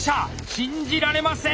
信じられません！